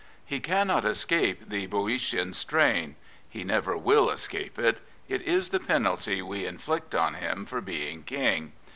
He cannot escape the Boeotian strain. He never will escape it. It is penalty we inflict on him for being King.